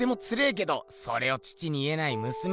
けどそれを父に言えないむすめ。